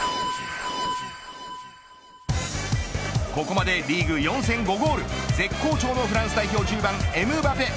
ここまでリーグ４戦５ゴール絶好調のフランス代表１０番エムバペ。